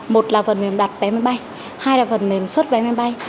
một là phần mềm đặt vé máy bay hai là phần mềm xuất vé máy bay